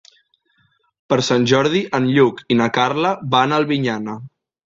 Per Sant Jordi en Lluc i na Carla van a Albinyana.